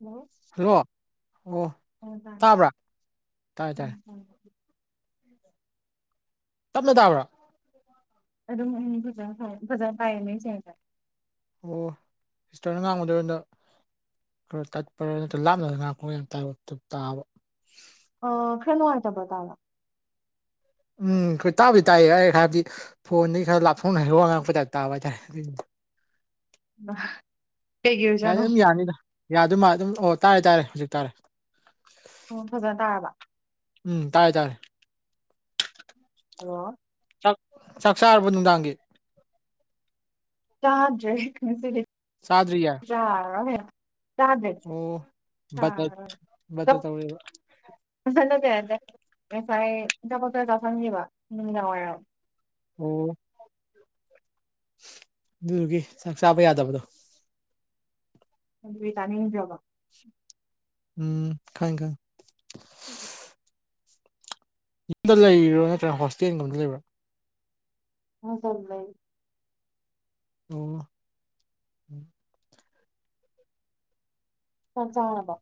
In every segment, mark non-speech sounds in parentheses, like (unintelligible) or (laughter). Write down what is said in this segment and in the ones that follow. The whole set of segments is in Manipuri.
ꯍꯜꯂꯣ ꯍꯜꯂꯣ ꯑꯣ ꯑꯣ ꯇꯥꯔꯦ ꯇꯥꯔꯦ ꯇꯥꯕ꯭ꯔꯥ ꯎꯝ ꯇꯥꯔꯦ ꯇꯞꯅ ꯇꯥꯕ꯭ꯔꯥ꯫ ꯑꯗꯨꯝ ꯎꯝ ꯐꯖꯅ ꯐ ꯐꯖꯅ (unintelligible) ꯑꯣ ꯁꯤꯁꯇꯔꯅ ꯉꯥꯡꯕꯗꯣ ꯑꯣꯟꯏꯗ ꯈꯔ ꯇꯠꯄ ꯅꯠꯇ ꯂꯥꯞꯅꯗꯅ ꯉꯥꯡꯕ ꯑꯩꯈꯣꯏ ꯇꯥꯕ ꯑ ꯈꯔ ꯅꯨꯡꯉꯥꯏꯇꯕꯔ ꯇꯥꯕ ꯎꯝ ꯍꯣꯏ ꯇꯥꯕꯗꯤ ꯇꯥꯏꯌꯦ ꯑꯩ ꯍꯥꯏꯕꯗꯤ ꯐꯣꯟꯗꯒꯤꯩ ꯈꯔ ꯂꯥꯞꯊꯣꯛꯅ ꯋꯥ ꯑꯉꯥꯡꯕ ꯇꯥꯏꯕꯇ ꯇꯥꯕ ꯑꯗꯨꯒꯤ ꯍꯥꯏꯇꯥꯔꯦ꯫ (unintelligible) ꯀꯩꯒꯤ ꯌꯥꯅꯤ ꯑꯣꯏꯖꯥꯠꯅꯣ ꯑꯗꯨꯝ ꯌꯥꯅꯤꯗ ꯌꯥꯗꯣꯏ ꯃꯥꯜ ꯑꯗꯨꯝ ꯑꯣ ꯇꯥꯔꯦ ꯇꯥꯔꯦ ꯍꯧꯖꯤꯛ ꯇꯥꯔꯦ ꯎꯝ ꯐꯖꯅ ꯇꯥꯔꯕ꯫ ꯎꯝ ꯇꯥꯔꯦ ꯇꯥꯔꯦ꯫ ꯍꯜꯂꯣ ꯆꯥꯛ ꯆꯥꯛ ꯆꯥꯔꯕꯣ ꯅꯨꯡꯗꯥꯡꯒꯤ ꯆꯥꯗꯔꯦ ꯉꯁꯤꯗꯤ ꯆꯥꯗꯔꯤꯌꯦ꯫ ꯕꯇꯔ ꯕꯇꯔ ꯇꯧꯔꯦꯕ (unintelligible) ꯉꯁꯥꯏ ꯑꯆꯥꯄꯣꯠ ꯈꯔ ꯆꯥꯁꯤꯟꯈꯤꯕ ꯅꯨꯡꯗꯥꯡ ꯋꯥꯏꯔꯝ ꯑꯣ ꯑꯗꯨꯗꯨꯒꯤ ꯆꯥꯛ ꯆꯥꯕ ꯌꯥꯗꯕꯗꯣ ꯑꯗꯨꯗꯤ ꯇꯥꯅꯤꯡꯗ꯭ꯔꯕꯣ ꯎꯝ ꯈꯪꯏ ꯈꯪꯏ ꯌꯨꯝꯗ ꯂꯩꯕ꯭ꯔꯣ ꯅꯠꯇ꯭ꯔꯥ ꯍꯣꯁꯇꯦꯜꯒꯨꯝꯕꯗ ꯂꯩꯕ꯭ꯔꯥ (unintelligible) ꯑꯣ ꯆꯥꯛ ꯆꯥꯔꯕꯣ꯫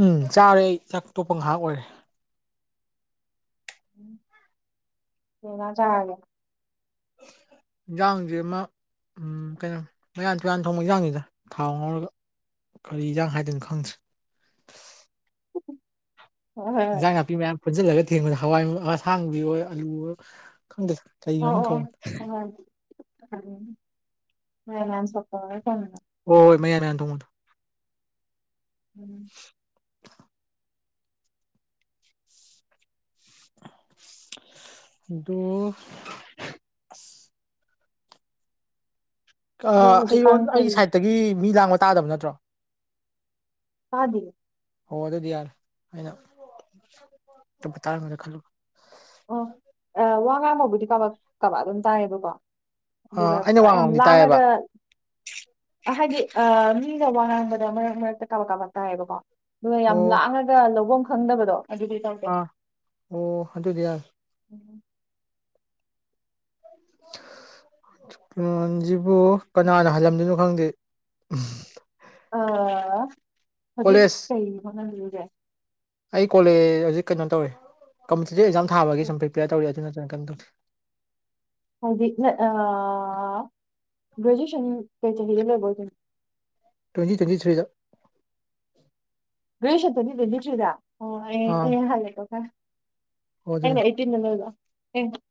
ꯎꯝ ꯆꯥꯔꯦ ꯑꯩ ꯆꯥꯛ ꯇꯣꯛꯄ ꯉꯥꯏꯍꯥꯛ ꯑꯣꯏꯔꯦ ꯀꯩ ꯏꯟꯖꯥꯡ ꯆꯥꯔꯒꯦ꯫ ꯏꯟꯖꯥꯡꯖꯤꯃꯥ ꯎꯝ ꯀꯩꯅꯣ ꯃꯌꯥꯟ ꯇꯨꯌꯥꯟ ꯊꯣꯡꯕ ꯏꯟꯖꯥꯡꯅꯤꯗ ꯊꯥꯎ ꯉꯧꯔꯒ꯫ ꯀꯔꯤ ꯏꯟꯖꯥꯡ ꯍꯥꯏꯗꯣꯏꯅꯣ ꯈꯪꯗ꯭ꯔꯦ ꯍꯣꯏ ꯍꯣꯏ ꯍꯣꯏ ꯏꯟꯖꯥꯡ ꯅꯥꯄꯤ ꯃꯌꯥꯝ ꯄꯨꯟꯖꯤꯜꯂꯒ ꯊꯦꯡꯕꯗ ꯍꯋꯥꯏ ꯃꯨ ꯑꯁꯥꯡꯕꯤ ꯑꯣꯏ ꯑꯂꯨ ꯑꯣꯏ ꯈꯪꯗꯦꯗ ꯑꯣ ꯑꯣ (unintelligible) ꯑꯣ ꯍꯣꯏ ꯃꯌꯥꯟ ꯃꯌꯥꯟ ꯊꯣꯡꯕꯗꯣ ꯎꯝ ꯑꯗꯨ ꯑ ꯑꯗꯣ ꯍꯧꯖꯤꯛꯀꯥꯟ ꯑꯩꯉꯣꯟ ꯑꯩꯒꯤ ꯀꯩ ꯁꯥꯏꯠꯇꯒꯤ ꯃꯤ ꯂꯥꯡꯕ ꯇꯥꯗꯕ ꯅꯠꯇ꯭ꯔꯣ꯫ ꯇꯥꯗꯤꯌꯦ ꯍꯣ ꯑꯗꯣꯏꯗꯤ ꯌꯥꯔꯦ ꯑꯩꯅ ꯇꯝꯐꯨꯠꯇꯥꯡꯒꯗ ꯈꯜꯂꯨꯕ ꯑꯣ ꯋꯥ ꯉꯥꯡꯕꯕꯨꯗꯤ ꯀꯕꯛ ꯀꯕꯥꯛ ꯑꯗꯨꯝ ꯇꯥꯏꯌꯦꯕꯀꯣ ꯑꯗꯨꯒ ꯑꯥ ꯑꯩꯅ ꯄꯨꯔꯥ ꯋꯥ ꯌꯥꯝ ꯉꯥꯡꯕꯗꯤ ꯇꯥꯏꯌꯦꯕ ꯂꯥꯡꯉꯒ ꯍꯥꯏꯗꯤ ꯑ ꯃꯤꯒ ꯋꯥ ꯉꯥꯡꯕꯗ ꯃꯔꯛ ꯃꯔꯛꯇ ꯀꯥꯕꯛ ꯀꯥꯕꯛ ꯇꯥꯏꯌꯦꯕꯀꯣ ꯑꯗꯨꯒ ꯑꯣ ꯌꯥꯝ ꯂꯥꯡꯉꯒ ꯂꯧꯕꯐꯝ ꯈꯪꯗꯕꯗꯣ ꯑꯗꯨꯗꯤ ꯇꯧꯗꯦ ꯑ ꯑꯣ ꯑꯗꯨꯏꯗꯤ ꯌꯥꯔꯦ ꯎꯝ (unintelligible) ꯀꯅꯥꯅ ꯍꯜꯂꯝꯗꯣꯏꯅꯣ ꯈꯪꯗꯦ ꯑ ꯍꯧꯖꯤꯛ ꯀꯣꯂꯦꯖ ꯀꯩ ꯍꯣꯠꯅꯔꯤꯒꯦ꯫ ꯑꯩ ꯀꯣꯂꯦꯖ ꯍꯧꯖꯤꯛ ꯀꯩꯅꯣ ꯇꯧꯋꯦ ꯀꯝꯄꯤꯇꯤꯇꯤꯞ ꯑꯦꯖꯥꯝ ꯊꯥꯕꯒꯤ ꯁꯨꯝ ꯄ꯭ꯔꯤꯄꯦꯌꯔ ꯇꯧꯔꯤ ꯑꯗꯨ ꯅꯠꯇꯅ ꯀꯩꯝ ꯇꯧꯗꯦ ꯍꯥꯏꯗꯤ ꯅꯠ ꯑ ꯒ꯭ꯔꯦꯖꯨꯑꯦꯁꯟ ꯀꯩ ꯆꯍꯤꯗ ꯂꯣꯏꯕ ꯑꯣꯏꯗꯣꯏꯅꯣ ꯇ꯭ꯋꯦꯟꯇꯤ ꯇ꯭ꯋꯦꯟꯇꯤ-ꯊ꯭ꯔꯤꯗ (unintelligible) ꯇ꯭ꯋꯦꯟꯇꯤ ꯇ꯭ꯋꯦꯟꯇꯤ-ꯊ꯭ꯔꯤꯗ ꯑꯣ ꯑꯩ ꯑꯥ ꯑꯩ ꯍꯜꯂꯦꯀꯣ ꯈꯔ ꯑꯣ ꯑꯗꯨꯅꯤ ꯑꯩꯅ ꯑꯦꯠꯇꯤꯟꯅꯗ ꯂꯣꯏꯕ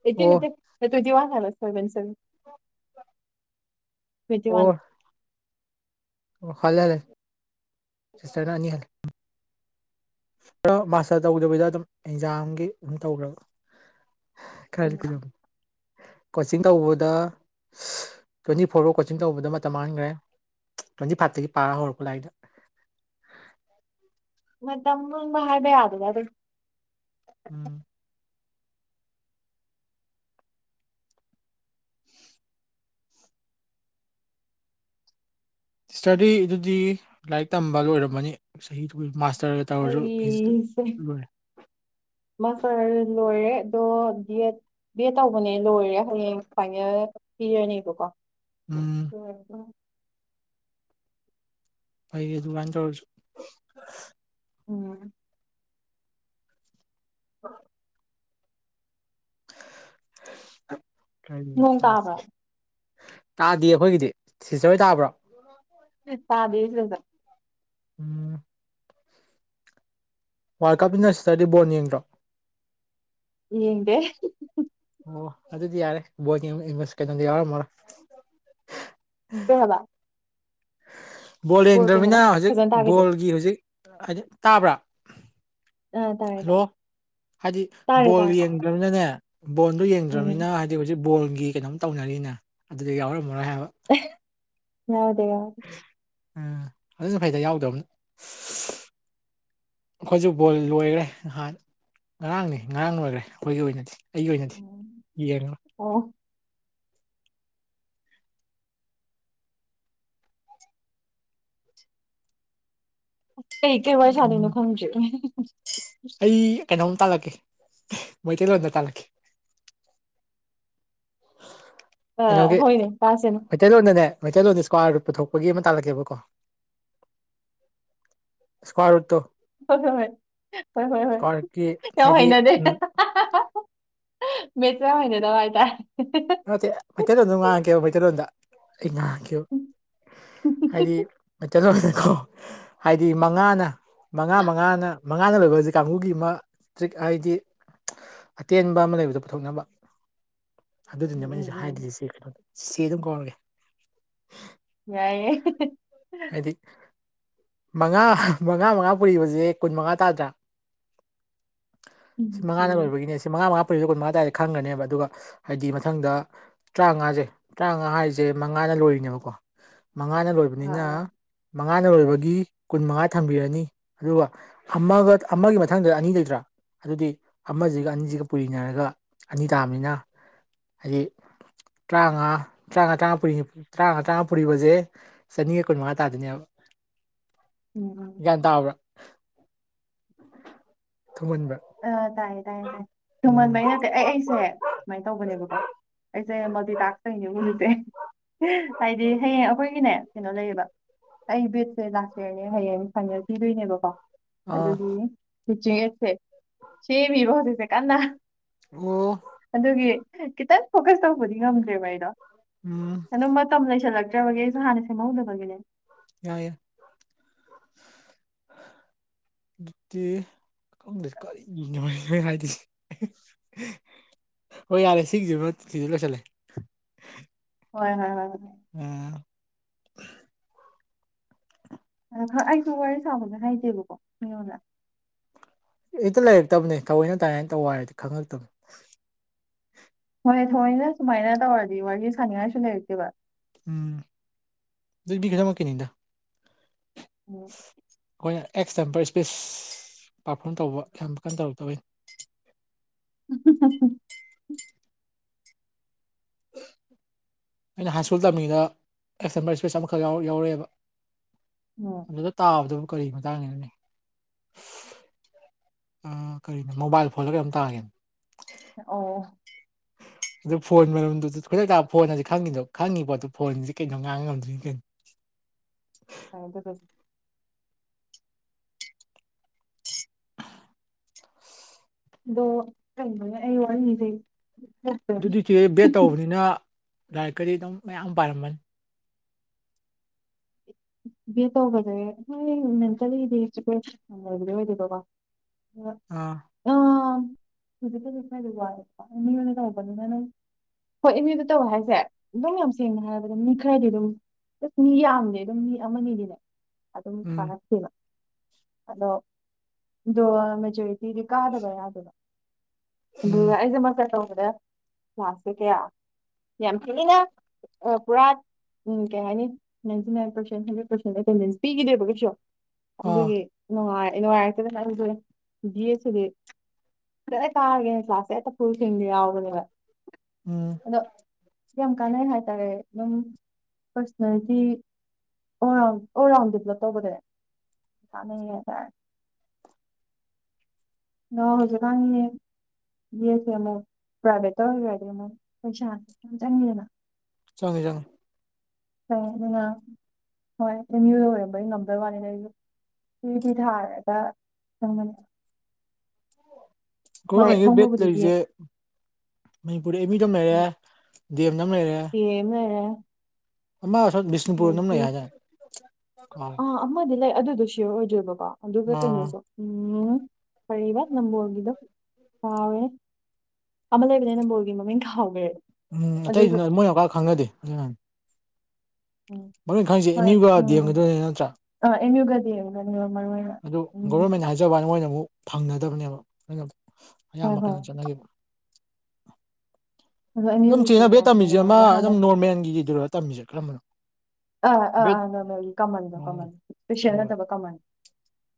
ꯑꯦꯠꯇꯤꯟ ꯑꯣ ꯅꯠꯇꯦ ꯗꯦꯠ ꯇꯣꯟꯏꯇꯤ ꯋꯥꯟ ꯍꯥꯏꯕ ꯁꯣꯏꯕꯅꯦ ꯁꯣꯏꯕꯅꯦ ꯇꯣꯏꯟꯇꯤ ꯋꯥꯟ ꯑꯣ ꯍꯜꯂꯦ ꯍꯜꯂꯦ ꯁꯤꯁꯇꯔꯅ ꯑꯅꯤ ꯍꯜꯂꯦ ꯃꯥꯁꯇꯔ ꯇꯧꯗꯕꯤꯗ ꯑꯗꯨꯝ ꯑꯦꯛꯖꯥꯝꯒꯤ ꯑꯗꯨꯝ ꯇꯧꯈ꯭ꯔꯕ ꯎꯝ (unintelligible) ꯀꯣꯆꯤꯡ ꯇꯧꯕꯗ ꯇ꯭ꯋꯦꯟꯇꯤ ꯐꯣꯔ ꯑ ꯀꯣꯆꯤꯡ ꯇꯧꯕꯗ ꯃꯇꯝ ꯃꯥꯡꯈ꯭ꯔꯦ ꯇ꯭ꯋꯦꯟꯇꯤ ꯐꯥꯚꯇꯒꯤ ꯄꯥ ꯍꯧꯔꯛꯄ ꯂꯥꯏꯗꯣ (inaudible) ꯃꯇꯝ ꯄꯨꯟꯅ ꯍꯥꯏꯕ ꯌꯥꯕꯅꯤ ꯑꯗꯨꯝ꯫ ꯎꯝ ꯁꯤꯁꯇꯔꯗꯤ ꯑꯗꯨꯗꯤ ꯂꯥꯏꯔꯤꯛ ꯇꯝꯕ ꯂꯣꯏꯔꯝꯃꯅꯤ ꯆꯍꯤꯗꯨꯒꯤ ꯃꯥꯁꯇꯔ ꯑꯩꯁꯦ ꯃꯥꯁꯇꯔ ꯂꯣꯏꯔꯦ ꯑꯗꯣ ꯗꯤꯑꯦꯠ ꯕꯤꯑꯦꯠ ꯇꯧꯕꯅꯦ ꯂꯣꯏꯔꯦ ꯍꯌꯦꯡ ꯐꯥꯏꯅꯦꯜ ꯄꯤꯔꯅꯦꯕꯀꯣ ꯎꯝ ꯂꯣꯏꯔꯕꯣ꯫ ꯐꯩꯌꯦ ꯑꯗꯨꯃꯥꯏꯟ ꯇꯧꯔꯖꯨ ꯎꯝ (inaudible) ꯀꯔꯤ ꯅꯣꯡ ꯇꯥꯕ꯭ꯔꯥ ꯇꯧꯖꯤꯒꯦ ꯇꯥꯗꯤ ꯑꯩꯈꯣꯏꯒꯤꯗꯤ ꯁꯤꯁꯇ꯭ꯔ ꯈꯣꯏ ꯇꯥꯕ꯭ꯔꯣ ꯄꯗꯦ (unintelligible) ꯎꯝ ꯋꯥꯔꯜ ꯀꯞꯅꯤꯅ ꯁꯤꯁꯇꯔꯗꯤ ꯕꯣꯟ ꯌꯦꯡꯗ꯭ꯔꯣ ꯌꯦꯡꯂꯦ ꯑꯣ ꯑꯗꯨꯗꯤ ꯌꯥꯔꯦ ꯕꯣꯏꯗꯤꯝ ꯏꯝꯃꯁ ꯀꯩꯅꯣꯗ ꯌꯥꯎꯔꯝꯃꯔꯣꯏ ꯊꯕ ꯕꯣꯜ ꯀꯩ ꯌꯦꯡꯗ꯭ꯔꯅꯤꯅ ꯍꯥꯏꯕ ꯍꯧꯖꯤꯛ ꯐꯖꯅ ꯇꯥꯒꯤꯗ꯭ꯔꯦ ꯕꯣꯜꯒꯤ ꯍꯧꯖꯤꯛ ꯍꯥꯏꯗꯤ ꯇꯥꯕ꯭ꯔꯥ ꯑꯥ ꯇꯥꯔꯦ ꯍꯜꯂꯣ ꯇꯥꯔꯦ ꯍꯥꯏꯗꯤ ꯇꯥꯔꯦ ꯕꯣꯜ ꯇꯥꯔꯦ ꯌꯦꯡꯗ꯭ꯔꯕꯅꯤꯅꯅꯦ ꯕꯣꯟꯗꯤ ꯎꯝ ꯌꯦꯡꯗ꯭ꯔꯕꯅꯤꯅ ꯍꯥꯏꯗꯤ ꯍꯧꯖꯤꯛ ꯕꯣꯜꯒꯤ ꯀꯩꯅꯣꯝ ꯇꯧꯅꯔꯤꯅ ꯑꯗꯨꯗ ꯌꯥꯎꯔꯝꯃꯔꯣꯏ ꯍꯥꯏꯕ ꯌꯥꯎꯗꯦ ꯌꯥꯎ ꯎꯝ ꯑꯗꯨꯁꯨ ꯐꯩꯗ ꯌꯥꯎꯗꯕꯅ ꯑꯩꯈꯣꯏꯁꯨ ꯕꯣꯜ ꯂꯣꯏꯈ꯭ꯔꯦ ꯅꯍꯥꯟ ꯉꯔꯥꯡꯅꯦ ꯉꯔꯥꯡ ꯂꯣꯏꯈ꯭ꯔꯦ ꯑꯩꯈꯣꯏꯒꯤ ꯑꯣꯏꯅꯗꯤ ꯑꯩꯒꯤ ꯑꯣꯏꯅꯗꯤ ꯎꯝ ꯌꯦꯡꯉꯣ ꯑꯣ ꯀꯩ ꯀꯩ ꯋꯥꯔꯤ ꯎꯝ ꯁꯥꯗꯣꯏꯅꯣ ꯈꯪꯗ꯭ꯔꯦ ꯑꯩ ꯀꯩꯅꯣꯝ ꯇꯥꯛꯂꯛꯀꯦ ꯃꯩꯇꯩꯂꯣꯟꯗ ꯇꯥꯛꯂꯛꯀꯦ ꯑ ꯀꯩꯅꯣꯒꯤ ꯍꯣꯏꯅꯦ ꯄꯥꯁꯦꯅ ꯃꯩꯇꯩꯂꯣꯟꯗꯅꯦ ꯃꯩꯇꯩꯂꯣꯟꯗ ꯁꯀ꯭ꯋꯥꯔꯠ ꯔꯨꯠ ꯄꯨꯊꯣꯛꯄ ꯑꯃ ꯇꯥꯛꯂꯛꯀꯦꯕ ꯏꯁꯀꯋꯥꯔ ꯎꯠꯇꯣ ꯍꯣꯏ ꯍꯣꯏ ꯍꯣꯏ ꯍꯣꯏ ꯍꯣꯏ ꯍꯣꯏ ꯌꯥꯝ ꯍꯥꯏꯗꯤ ꯍꯩꯅꯗꯦ ꯎꯝ (unintelligible) ꯍꯩꯅꯗꯕ ꯍꯏ ꯇꯥꯏꯔꯦ ꯅꯠꯇꯦ ꯃꯩꯇꯩꯂꯣꯟꯗꯥ ꯉꯥꯡꯀꯦꯕ ꯃꯩꯇꯩꯂꯣꯟꯗ ꯑꯩ ꯉꯥꯡꯀꯦ ꯎꯝ ꯍꯥꯏꯗꯤ ꯃꯩꯇꯩ ꯂꯣꯟꯗꯀꯣ ꯍꯥꯏꯗꯤ ꯃꯉꯥꯅ ꯃꯉꯥ ꯃꯉꯥꯅ ꯃꯉꯥꯗ ꯂꯣꯏꯕ ꯍꯥꯏꯁꯦ ꯀꯥꯡꯕꯨꯒꯤ ꯑꯃ ꯇ꯭ꯔꯤꯛ ꯍꯥꯏꯗꯤ ꯑꯇꯦꯟꯕ ꯑꯃ ꯂꯩꯕꯗꯣ ꯄꯨꯊꯣꯛꯅꯕ ꯑꯗꯨꯗꯨꯅꯦ ꯃꯣꯏꯅꯁꯨ ꯎꯝ ꯎꯝ ꯍꯥꯏꯗꯗꯤ ꯁꯦ ꯀꯩꯅꯣ ꯆꯦ ꯑꯗꯨꯝ ꯀꯧꯔꯒꯦ ꯌꯥꯏꯌꯦ ꯇꯤꯛ ꯃꯉꯥ ꯃꯉꯥ ꯃꯉꯥ ꯄꯨꯔꯤꯕꯁꯦ ꯀꯨꯟ ꯃꯉꯥ ꯇꯥꯗ꯭ꯔꯥ ꯁꯤ ꯎꯝ ꯃꯉꯥꯗ ꯎꯝ ꯂꯣꯏꯕꯒꯤꯅꯦ ꯁꯤ ꯃꯉꯥ ꯃꯉꯥ ꯄꯨꯁ ꯀꯨꯟ ꯃꯉꯥ ꯇꯥꯔꯗꯤ ꯈꯪꯒꯅꯦꯕ ꯑꯗꯨꯒ ꯍꯥꯏꯗꯤ ꯃꯊꯪꯗ ꯇꯔꯥꯉꯥꯖꯦ ꯇꯔꯥꯉꯥ ꯍꯥꯏꯖꯦ ꯃꯉꯥꯅ ꯂꯣꯏꯔꯤꯅꯦꯕꯀꯣ ꯃꯉꯥꯅ ꯂꯣꯏꯕ ꯑꯥ ꯑꯥ (unintelligible) ꯃꯉꯥꯅ ꯒꯤ ꯀꯨꯟꯃꯉꯥ ꯊꯝꯕꯤꯔꯅꯤ ꯑꯗꯨꯒ ꯑꯃꯒ ꯑꯃꯒꯤ ꯃꯊꯪꯗ ꯑꯅꯤ ꯂꯩꯇ꯭ꯔꯥ ꯑꯗꯨꯗꯤ ꯑꯃꯖꯤꯒ ꯑꯅꯤꯖꯤꯒ ꯄꯨꯔꯤꯅꯔꯒ ꯑꯅꯤ ꯇꯥꯕꯅꯤꯅ ꯍꯥꯏꯗꯤ ꯇꯔꯥꯃꯉꯥ ꯇꯔꯥꯃꯉꯥ ꯇꯔꯥ-ꯇꯔꯥꯉ-ꯇꯔꯥ ꯄꯨꯔꯤꯕꯁꯦ ꯆꯅꯤꯒ ꯀꯨꯟꯃꯉꯥ ꯇꯥꯗꯣꯏꯅꯦꯕ ꯎꯝ ꯎꯝ ꯇꯥꯕ꯭ꯔ ꯊꯨꯃꯟꯕ꯭ꯔ ꯑ ꯇꯥꯏ ꯇꯥꯏ ꯇꯥꯏ ꯊꯨꯃꯣꯟ ꯑꯩ ꯑꯩꯁꯦ ꯁꯨꯃꯥꯏꯅ ꯇꯧꯕꯅꯦꯕꯀꯣ ꯑꯩꯁꯦ ꯃꯜꯇꯤ ꯇꯥꯛꯇꯅꯦꯕ ꯍꯧꯖꯤꯛꯁꯦ ꯍꯥꯏꯗꯤ ꯍꯌꯦꯡ ꯑꯩꯈꯣꯏꯒꯤꯅꯦ ꯀꯩꯅꯣ ꯂꯩꯌꯦꯕ ꯑꯩ ꯕꯦꯠꯁꯦ ꯂꯥꯁ ꯌꯔꯅꯦ ꯍꯌꯦꯡ ꯐꯥꯏꯅꯦꯜ ꯄꯤꯗꯣꯏꯅꯦꯕꯀꯣ ꯑꯥ ꯑꯗꯨꯗꯤ ꯆꯤꯆꯦꯁꯦ ꯁꯦꯝꯃꯤꯔꯣ ꯍꯧꯖꯤꯛꯁꯦ ꯀꯟꯅ ꯑꯣ ꯑꯗꯨꯒꯤ ꯈꯤꯇꯪ ꯐꯣꯀꯁ ꯇꯧꯕꯗꯤ ꯉꯝꯗ꯭ꯔꯦꯕ ꯑꯩꯗꯣ ꯎꯝ ꯑꯗꯨꯝ ꯃꯇꯝ ꯂꯩꯁꯤꯜꯂꯛꯇ꯭ꯔꯕꯒꯤ ꯑꯩꯁꯨ ꯍꯥꯟꯅ ꯁꯦꯝꯍꯧꯗꯕꯒꯤꯅꯦ ꯌꯥꯏ ꯌꯦ ꯑꯗꯨꯗꯤ ꯈꯪꯗꯦ ꯀꯔꯤꯅꯣꯏꯍꯦ ꯍꯥꯏꯗꯣꯏꯖꯦ ꯍꯣꯏ ꯌꯥꯔꯦ ꯁꯤꯒꯤꯁꯤ ꯁꯤꯁꯨ ꯂꯣꯏꯁꯤꯜꯂꯦ ꯍꯣꯏ ꯍꯣꯏ ꯍꯣꯏ ꯍꯣꯏ ꯎꯝ ꯑꯗꯣ ꯈ꯭ꯔ ꯑꯩꯁꯨ ꯋꯥꯔꯤ ꯁꯥꯕꯗ ꯍꯥꯏꯖꯦꯕꯀꯣ (unintelligible) ꯍꯦꯛꯇ ꯂꯩꯔꯛꯇꯕꯅꯦ ꯇꯧꯑꯣꯏꯅ ꯇꯥꯏꯅ ꯇꯧ ꯍꯥꯏꯔꯗꯤ ꯈꯪꯉꯛꯇꯕꯅꯦ ꯊꯣꯏ ꯊꯣꯏꯅ ꯁꯨꯃꯥꯏꯅ ꯇꯧꯔꯗꯤ ꯋꯥꯔꯤ ꯁꯥꯟꯅꯤꯡꯉꯥꯏꯁꯨ ꯂꯩꯔꯛꯇꯦꯕ ꯎꯝ ꯑꯗꯨ ꯃꯤꯒꯤ ꯊꯕꯛꯀꯤꯅꯦꯗ ꯎꯝ ꯑꯩꯈꯣꯏꯅ ꯑꯦꯛꯁ ꯇꯦꯝꯄꯔ ꯏꯁꯄꯤꯁ ꯄꯥꯔꯐꯣꯝ ꯇꯧꯕ ꯌꯥꯝ ꯀꯟꯅ ꯇꯧꯔꯛꯇꯕꯩꯅꯤ ꯎꯝ ꯑꯩꯅ ꯍꯥꯏ ꯁ꯭ꯀꯨꯜ ꯇꯝꯃꯤꯉꯩꯗ ꯑꯦꯛꯁꯇꯦꯝꯕꯔ ꯏꯁꯄꯤꯦꯁ ꯑꯃꯈꯛ ꯌꯥꯎꯔꯛꯑꯦꯕ ꯎꯝ ꯑꯗꯨꯗ ꯇꯥꯕꯗꯕꯨ ꯀꯔꯤ ꯃꯇꯥꯡꯒꯤꯅꯣꯅꯦ ꯀꯔꯤꯅꯣ ꯃꯣꯕꯥꯏꯜ ꯐꯣꯜꯗ ꯀꯩꯅꯣꯝ ꯇꯈꯤꯕꯅꯦ ꯑꯣ ꯑꯗꯣ ꯐꯣꯟ ꯃꯔꯝꯗꯨꯁꯨꯈꯣꯏꯗꯛꯇ ꯇꯥ ꯐꯣꯟ ꯍꯥꯏꯗꯤ ꯈꯪꯉꯤꯗꯣ ꯈꯪꯉꯤ ꯄꯣꯠꯇꯨ ꯐꯣꯟꯁꯤꯗꯤ ꯀꯩꯅꯣ ꯉꯥꯡ ꯉꯝꯗ꯭ꯔꯤ ꯀꯩꯅꯣ ꯐ ꯑꯗꯨ ꯑꯗꯨꯗꯤ ꯗꯣ ꯈꯪꯗꯦꯅꯦ ꯑꯩ ꯋꯥꯔꯤꯖꯤ ꯑꯗꯨꯗꯤ ꯆꯦ ꯕꯦꯠ ꯇꯧꯕꯅꯤꯅ ꯂꯥꯏꯔꯤꯛꯀꯗꯤ ꯑꯗꯨꯝ ꯃꯌꯥꯝ ꯄꯥꯏꯔꯃꯅꯤ ꯕꯤ ꯑꯦ ꯇꯧꯕꯁꯦꯣꯏ ꯃꯦꯟꯇꯦꯜꯂꯤꯗꯤ ꯂꯩꯕꯗꯤ ꯑꯣꯏꯗꯦꯕꯀꯣ ꯑꯣ ꯑꯥ ꯍꯧꯖꯤꯛꯛꯇ ꯑꯗꯨ ꯋꯥ ꯃꯅꯦꯕꯅꯤꯅ (unintelligible) ꯍꯣꯏ ꯑꯦꯝ ꯌꯨꯗ ꯇꯧꯋꯦ ꯍꯥꯏꯁꯦ ꯑꯗꯨꯝ ꯌꯥꯝ ꯁꯦꯡꯅ ꯍꯥꯏꯔꯕꯗ ꯃꯤ ꯈꯔꯗꯤ ꯑꯗꯨꯝꯁ ꯃꯤ ꯌꯥꯝꯗꯦ ꯑꯗꯨꯝ ꯃꯤ ꯑꯃꯅꯤꯒꯤꯅꯦ ꯑꯗꯨꯝ ꯎꯝ (unintelligible) ꯁꯤꯕ ꯑꯗꯣ ꯑꯗꯣ ꯃꯦꯖꯣꯔꯤꯇꯤꯗꯤ ꯀꯥꯗꯕ ꯌꯥꯗꯕ ꯎꯝ ꯑꯗꯨꯒ ꯑꯩꯁꯦꯃꯀ ꯇꯧꯕꯗꯦ ꯀ꯭ꯂꯥꯁꯁꯦ ꯀꯌꯥ ꯌꯥꯝꯊꯤꯅ ꯑ ꯄꯨꯔꯥꯛ ꯎꯝ ꯀꯩ ꯍꯥꯏꯅꯤ ꯅꯥꯏꯟꯇꯤꯅꯥꯏꯟ ꯍꯟꯗ꯭ꯔꯦꯠ ꯄꯔꯁꯦꯟꯇꯦꯁ ꯄꯤꯈꯤꯗꯦꯕ ꯀꯩꯁꯨ ꯑꯥ ꯑꯗꯨꯒꯤ ꯅꯨꯡꯉꯥꯏ ꯅꯨꯡꯉꯥꯏꯔꯛꯇꯦꯗꯅ (unintelligible) ꯕꯤꯏꯦꯠ ꯁꯤꯗꯤ ꯐꯖꯅ ꯀꯥꯔꯒꯦꯅ ꯀ꯭ꯂꯥꯁ ꯍꯦꯛꯇ ꯐꯨꯁꯤꯡꯗꯤ ꯌꯥꯎꯕꯅꯦꯕ ꯎꯝ ꯑꯗꯣ ꯌꯥꯝ ꯀꯥꯟꯅꯩ ꯍꯥꯏꯇꯥꯔꯦ ꯑꯗꯨꯝ personality all round all round develop ꯇꯧꯕꯗꯅꯦ ꯀꯥꯟꯅꯩꯌꯦ ꯍꯥꯏꯇꯥꯔꯦ ꯅꯣ ꯍꯧꯖꯤꯀꯥꯟꯒꯤ ꯌꯦꯠꯁꯦ ꯑꯃꯨꯛ ꯄ꯭ꯔꯥꯏꯚꯦꯠꯇ ꯑꯣꯏꯈ꯭ꯔꯗꯤ ꯑꯃꯨꯛ ꯄꯩꯁꯥꯥꯁꯦ ꯌꯥꯝ ꯆꯪꯉꯦꯅ ꯆꯥꯡꯉꯦ ꯆꯥꯡꯉꯦ ꯑꯗꯨ ꯍꯣꯏ ꯑꯦꯝꯌꯨꯗ ꯑꯣꯏꯕꯒꯤ ꯉꯝꯗꯕ ꯋꯥꯅ ꯁꯤꯋꯨꯏꯇꯤ ꯊꯥꯔꯒ ꯆꯪꯒꯅꯤ ꯍꯣꯏ (unintelligible) ꯍꯣꯡꯕꯕꯨꯗꯤ ꯗꯤ ꯑꯦ ꯂꯔꯤꯁꯦ ꯃꯅꯤꯄꯨꯔ ꯑꯦꯝ ꯂꯩꯔꯦ ꯗꯤꯑꯦꯝꯗ ꯑꯃ ꯂꯩꯔꯦ ꯑꯦ ꯃ ꯑꯃ (unintelligible) ꯑꯗꯒꯤ ꯂꯩ ꯍꯥꯏꯗꯥꯏꯅꯦ ꯀꯥꯎ ꯑꯥ ꯑꯃꯗꯤ ꯂꯩ ꯑꯗꯨꯗꯣ ꯁꯤꯌꯣꯔ ꯑꯣꯏꯗ꯭ꯔꯤꯕꯀꯣ ꯑꯗꯨꯒ ꯑꯥ ꯀꯩꯅꯣꯁꯨ ꯎꯝ ꯀꯩꯔꯤꯕ ꯅꯝꯕꯣꯜꯒꯤꯗꯣ ꯀꯥꯎꯔꯦ ꯑꯃ ꯂꯩꯕꯅꯦ ꯅꯝꯕꯣꯜꯒꯤ ꯃꯃꯤꯡ ꯀꯥꯎꯈ꯭ꯔꯦꯕ ꯎꯝ ꯑꯇꯩꯗꯨꯅ ꯃꯣꯏ ꯑꯃꯀꯥ ꯈꯪꯅꯗꯦ ꯎꯝ ꯃꯃꯤꯡ ꯈꯪꯏꯁꯦ ꯑꯦꯝ ꯌꯨꯒ ꯗꯦꯝꯒꯤꯗꯨꯅꯦ ꯅꯠꯇ꯭ꯔꯥ ꯑ ꯑꯦꯝꯌꯨ ꯒꯥ ꯗꯤꯑꯦꯝ ꯃꯔꯨꯑꯣꯏꯅ ꯑꯗꯨ ꯒꯣꯕꯔꯃꯦꯟꯅꯤ ꯍꯥꯏꯖꯕ ꯋꯥꯅꯦꯕ ꯃꯣꯏꯅ ꯑꯃꯨꯛ ꯐꯪꯅꯗꯕꯅꯦꯕ ꯑꯗꯨꯅ ꯍꯣꯏ ꯑꯌꯥꯝꯕ ꯍꯣꯏ ꯀꯩꯅꯣ ꯆꯠꯅꯒꯤꯕ ꯑꯗꯣ ꯑꯦꯝ ꯑꯗꯨꯝ ꯌꯨꯒꯤꯁꯨ ꯆꯦꯟꯅ ꯕꯦꯠ ꯌꯥꯝ ꯊꯦꯡꯅ ꯇꯝꯃꯤꯖꯦ ꯑꯃ ꯍꯧꯒꯠꯂꯦ ꯍꯥꯟꯅ ꯑꯗꯨꯝ ꯅꯣꯔꯃꯦꯜꯒꯤꯗꯨꯔꯣ ꯇꯝꯃꯤꯁꯦ ꯀꯔꯝꯕꯅꯣ ꯑꯥ ꯑꯥ ꯕꯦꯠ ꯑꯥ ꯅꯣꯔꯃꯦꯜꯒꯤ ꯀꯃꯟꯗꯣ ꯑꯣ ꯀꯃꯟ ꯏꯁꯄꯤꯁꯦꯜ ꯅꯠꯇꯕ ꯀꯃꯟ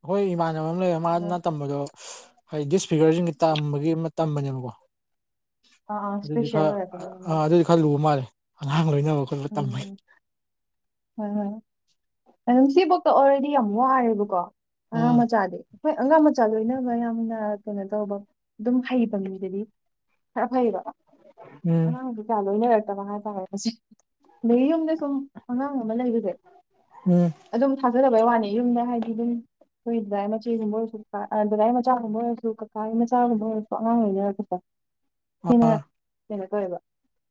ꯑꯈꯣꯏꯏ ꯏꯃꯥꯟꯅꯕ ꯑꯃ ꯂꯩꯌꯦ ꯑꯗꯣ ꯃꯥꯅ ꯇꯝꯕꯗꯣ ꯍꯥꯏꯗꯤ ꯗꯤꯁꯐꯤꯒꯔꯁꯤꯡꯁ ꯇꯝꯕꯒꯤ ꯑꯃ ꯇꯝꯕꯅꯦꯕꯀꯣ ꯑꯥ ꯑꯥ ꯑꯗꯨꯗꯤ ꯏꯁꯄꯤꯁꯦꯜ ꯈꯔ ꯑꯣꯏꯔꯛꯀꯗꯣꯏꯅꯦ ꯑ ꯃꯥꯗꯤ ꯑꯗꯨꯗꯤ ꯈꯔ ꯂꯨꯕ ꯃꯥꯜꯂꯦ ꯑꯉꯥꯡ ꯂꯣꯏꯅꯕ ꯈꯣꯠꯄ ꯇꯝꯕꯩ ꯎꯝ ꯍꯣꯏ ꯍꯣꯏ ꯁꯤꯐꯥꯎꯗ ꯑꯣꯜꯔꯗꯤ ꯌꯥꯝ ꯋꯥꯔꯦꯕꯀꯣ ꯑꯉꯥꯡ ꯎꯝ ꯃꯆꯥꯗꯤ ꯑꯩꯈꯣꯏ ꯑꯉꯥꯡ ꯃꯆꯥ ꯂꯣꯏꯅꯕ ꯌꯥꯝꯅ ꯀꯩꯅꯣ ꯇꯧꯕ ꯑꯗꯨꯝ ꯍꯩꯕ ꯃꯤꯗꯗꯤ ꯈꯔ ꯐꯩꯕ ꯎꯝ ꯑꯉꯥꯡꯗꯨ ꯀꯌꯥ ꯂꯣꯏꯅꯔꯛꯇꯕ ꯍꯥꯏꯇꯥꯔꯦꯁ ꯅꯌꯨꯝꯗ ꯁꯨꯝ ꯑꯉꯥꯡ ꯑꯃ ꯂꯩꯕꯁꯦ ꯎꯝ ꯑꯗꯨꯝ ꯊꯥꯖꯗꯕꯩ ꯋꯥꯅꯦ ꯌꯨꯝꯗ ꯍꯥꯏꯗꯤ ꯑꯗꯨꯝ ꯑꯩꯈꯣꯏ ꯗꯥꯗꯥ ꯃꯆꯦꯒꯨꯝꯕ ꯗꯥꯗꯥ ꯃꯆꯥꯒꯨꯝꯕ ꯑꯣꯏꯔꯁꯨ ꯀꯀꯥꯒꯤ ꯃꯆꯥꯒꯨꯝꯕ ꯑꯣꯏꯔꯁꯨ ꯑꯉꯥꯡ ꯑꯣꯏꯅ ꯍꯥꯏꯔꯒꯁꯨꯔ (inaudible) ꯀꯩꯅꯣ ꯀꯩꯅꯣ ꯇꯧꯋꯦꯕ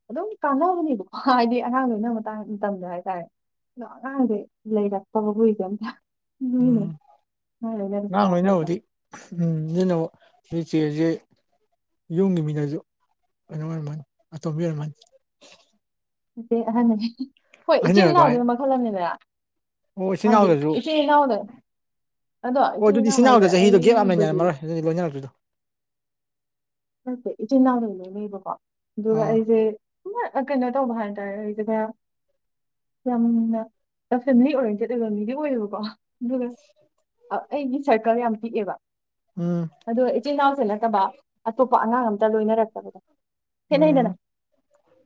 ꯑꯗꯨꯝ ꯀꯥꯟꯅꯕꯅꯦꯕꯀꯣ ꯍꯥꯏꯗꯤ ꯑꯉꯥꯡ ꯂꯣꯏꯅꯕ ꯇꯜ ꯇꯜꯂꯤ ꯍꯥꯏꯇꯥꯔꯦ ꯑꯗꯣ ꯑꯉꯥꯡꯁꯦ ꯂꯩꯔꯛꯇꯕꯑꯩꯈꯣꯏ ꯑꯝꯇ ꯎꯝ ꯇꯈꯣꯏꯕ (unintelligible) ꯅꯣꯏ ꯆꯦꯖꯦ ꯌꯨꯝꯒꯤ ꯃꯤꯅꯁꯨ ꯀꯩꯅꯣ ꯑꯣꯏꯔꯝꯃꯅꯤ ꯑꯇꯣꯝꯕꯤ ꯑꯣꯏꯔꯝꯃꯅꯤ ꯑꯍꯟꯅꯤ ꯍꯣꯏ ꯑꯍꯟ ꯏꯆꯤꯟꯜ ꯑꯣꯏꯔꯛꯄ ꯍꯥꯏ ꯏꯅꯥꯎꯗꯨꯅ ꯃꯈꯜ ꯑꯃꯅꯤꯗꯅ ꯑꯣ ꯏꯆꯤꯟ ꯍꯥꯏꯗꯤ ꯏꯅꯥꯎꯗꯁꯨ ꯏꯆꯦ ꯏ ꯌꯥꯎꯗꯦ ꯑꯗꯣ ꯑꯣ ꯏꯆꯤꯟꯜ ꯑꯗꯨꯗꯤ ꯏꯅꯥꯎ ꯏꯆꯤꯟ ꯍꯥꯏꯁꯦ ꯏꯅꯥꯎꯗ ꯆꯍꯤꯗꯣ ꯒꯦꯞ ꯌꯥꯝ ꯑꯩꯕꯨꯗꯤ ꯂꯩꯅꯔꯝꯃꯔꯣꯏ ꯂꯣꯏꯅꯔꯛꯇ꯭ꯔꯤꯗꯣ ꯅꯠꯇꯦ ꯏꯆꯤꯟꯜ ꯏꯅꯥꯎ ꯂꯩ ꯂꯩꯅꯦꯕꯀꯣ ꯑꯗꯨꯒ ꯑꯥ ꯑꯩꯁꯦ ꯀꯩꯅꯣ ꯇꯧꯕ ꯍꯏꯇꯔꯦ ꯌꯥꯝꯅ ꯐꯦꯃꯤꯂꯤ ꯑꯣꯔꯦꯟꯇꯦꯠ ꯑꯣꯏꯕ ꯃꯤꯗꯤ ꯑꯣꯏꯌꯦꯕꯀꯣ ꯑꯗꯨꯒ ꯑꯩꯒꯤ ꯁꯔꯀꯜ ꯌꯥꯝ ꯄꯤꯛꯑꯦꯕ ꯎꯝ ꯑꯗꯣ ꯏꯆꯤꯜ ꯏꯅꯥꯎꯁꯨ ꯅꯠꯇꯕ ꯑꯇꯣꯞꯄ ꯑꯉꯥꯡ ꯑꯝꯇ ꯂꯣꯏꯅꯔꯛꯇꯕꯗꯣ ꯍꯦ ꯎꯝ ꯍꯗꯅ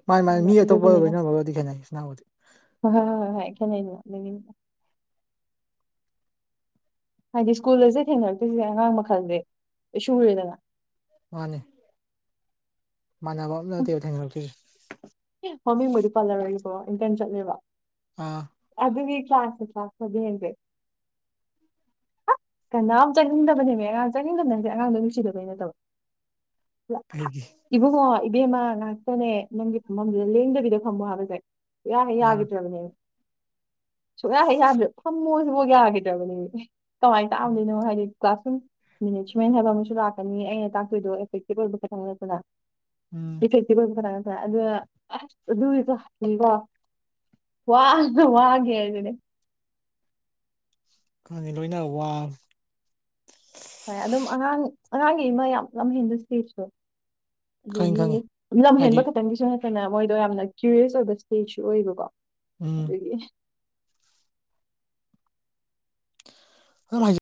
ꯃꯥꯅꯤ ꯃꯥꯅꯤ ꯑꯗ ꯃꯤ ꯑꯇꯣꯞꯄꯒ ꯑꯗꯨꯒꯤꯅꯦꯗ ꯂꯣꯏꯅꯕꯒꯗꯤ ꯈꯦꯠꯅꯩ ꯏꯆꯤꯟ ꯏꯅꯥꯎꯒꯗꯤ ꯍꯣꯏ ꯍꯣꯏ ꯈꯦꯠꯅꯩ (unintelligible) ꯍꯥꯏꯗꯤ ꯁ꯭ꯀꯨꯜꯗꯁꯨ ꯊꯦꯡꯅꯔꯛꯇ꯭ꯣꯏꯁꯤ ꯑꯉꯥꯡ ꯃꯈꯜꯁꯦ ꯂꯣꯢ ꯁꯨꯔꯦꯗꯅ ꯃꯥꯅꯦ ꯏꯃꯥꯟꯅꯕ ꯑꯃꯇ ꯅꯠꯇꯦ ꯊꯦꯡꯅꯔꯛꯇꯣꯏꯖꯦ ꯃꯃꯤꯡꯕꯨꯗꯤ ꯄꯥꯜꯂꯔꯣꯏꯕꯣ ꯏꯟꯇꯟ ꯆꯠꯂꯦꯕ ꯑꯥ ꯑꯗꯨꯒꯤ ꯀ꯭ꯂꯥꯁꯠ ꯇꯥꯛꯄꯗꯣ ꯌꯦꯡꯒꯦ ꯀꯅꯥ ꯆꯪꯅꯤꯡꯟꯗꯕꯅꯦꯕ ꯑꯉꯥꯡ ꯆꯪꯅꯤꯡꯟꯗꯕꯅꯦꯗꯤ ꯑꯉꯥꯡꯗꯣ ꯅꯨꯡꯁꯤꯗꯕꯩ ꯅꯠꯇꯕ (unintelligible) ꯀꯩꯒꯤ ꯏꯕꯨꯡꯉꯣ ꯏꯕꯦꯝꯃ ꯉꯍꯥꯛꯇꯅꯦ ꯅꯪꯒꯤ ꯐꯝꯐꯝꯗꯨꯗ ꯂꯦꯡꯗꯕꯤꯗ ꯐꯝꯃꯣ ꯍꯥꯏꯕꯗꯣ ꯌꯥ ꯑꯥ ꯌꯥꯒꯤꯗꯔꯕꯅꯦꯕ ꯁꯨꯡꯛꯌꯥ ꯍꯦ ꯌꯗ꯭ꯔꯦ ꯐꯝꯃꯣꯁꯤꯐꯥꯎ ꯌꯥꯈꯤꯗ꯭ꯔꯕꯅꯦ ꯑꯦ ꯀꯃꯥꯏꯅ ꯇꯥꯛꯑꯝꯅꯤꯅꯣ ꯍꯥꯏꯗꯤ ꯀ꯭ꯂꯥꯁ ꯔꯨꯝ ꯃꯦꯅꯦꯖꯃꯦꯟ ꯍꯥꯏꯕ ꯑꯃꯁꯨ ꯂꯥꯛꯀꯅꯤ ꯑꯩꯅ ꯇꯥꯛꯇꯣꯏꯗꯣ ꯑꯦꯐꯦꯛꯇꯤꯚ ꯑꯣꯏꯕ ꯈꯛꯇꯪ ꯅꯠꯇꯅ ꯎꯝ ꯏꯐꯦꯛꯇꯤꯕ ꯈꯔ꯭ꯔ ꯑꯗꯨ ꯑꯗꯨꯒꯤꯁꯨ (unintelligible) ꯈꯪꯉꯦ ꯂꯣꯏꯅ ꯋꯥꯕ ꯍꯣꯏ ꯑꯗꯨꯝ ꯑꯉꯥꯡ ꯑꯉꯥꯡꯒꯤꯃ ꯌꯥꯝ ꯂꯝ ꯍꯦꯟꯕ ꯁ꯭ꯇꯦꯁ ꯇꯣ ꯈꯪꯉꯤ ꯑꯗꯒꯤ ꯈꯪꯉꯤ ꯍꯥꯏꯗꯤ ꯂꯝꯍꯦꯟꯕ ꯈꯛꯇꯪꯒꯤꯁꯨ ꯅꯠꯇꯅ ꯃꯣꯏꯗꯣ ꯌꯥꯝꯅ ꯀ꯭ꯌꯨꯔꯤꯌꯁ ꯑꯣꯏꯕ ꯏꯁꯇꯦꯖꯁꯨ ꯑꯣꯏꯕꯀꯣ ꯎꯝ (unintelligible) ꯍ ꯍꯥꯏ